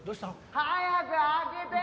早く開けて！